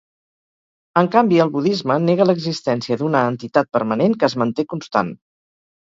En canvi, el budisme nega l'existència d'una entitat permanent que es manté constant.